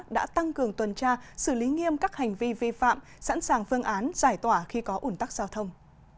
đã tăng cường tuần tra xử lý nghiêm các hành vi vi phạm sẵn sàng phương án giải tỏa khi có ủn tắc giao thông